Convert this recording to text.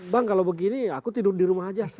bang kalau begini aku tidur di rumah aja